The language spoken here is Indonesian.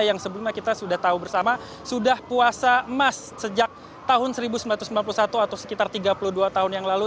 yang sebelumnya kita sudah tahu bersama sudah puasa emas sejak tahun seribu sembilan ratus sembilan puluh satu atau sekitar tiga puluh dua tahun yang lalu